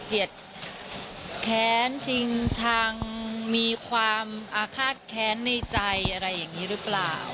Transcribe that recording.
แค้นชิงชังมีความอาฆาตแค้นในใจอะไรอย่างนี้หรือเปล่า